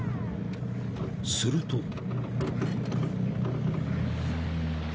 ［すると］